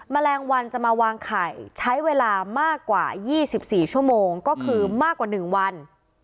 แมลงวันจะมาวางไข่ใช้เวลามากกว่า๒๔ชั่วโมงก็คือมากกว่า๑วัน